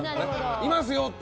いますよって。